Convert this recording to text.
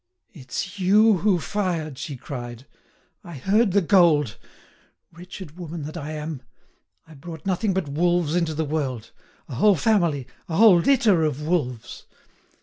"It's you who fired!" she cried. "I heard the gold. ... Wretched woman that I am! ... I brought nothing but wolves into the world—a whole family—a whole litter of wolves!